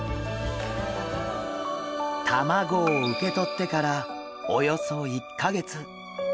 卵を受け取ってからおよそ１か月。